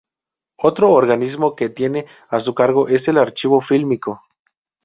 Otro organismo que tiene a su cargo es el Archivo Fílmico.